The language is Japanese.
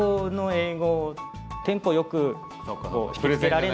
テンポよく引きつけられない。